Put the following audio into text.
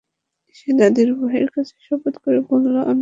সে তাদের উভয়ের কাছে শপথ করে বলল, আমি তোমাদের হিতাকাঙক্ষীদের একজন।